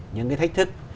những cái thách thức